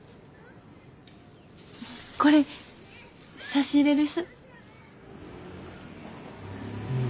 これ差し入れです。